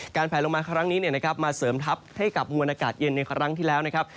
แผลลงมาครั้งนี้มาเสริมทัพให้กับมวลอากาศเย็นในครั้งที่แล้วนะครับ